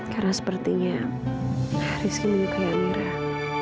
karena sepertinya rizky menyukai amirah